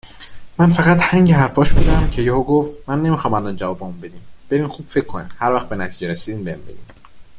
من فقط هنگ حرفاش بودم که یهوگفت من نمیخوام الان جوابمو بدین برین خوب فک کنین هر وقت به نتیجه رسیدین بهم بگین